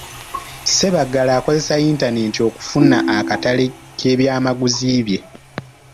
Ssebaggala akozesa yintanenti okufuna akatale k’ebyamaguzi bye.